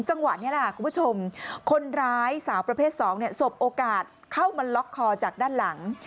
จังหวะนี้แหละคุณผู้ชมคนร้ายสาวประเภท๒สบโอกาสเข้ามาล็อกคอจากด้านหลัง